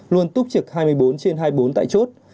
luôn túc trực hai mươi bốn trên hai mươi bốn tại chốt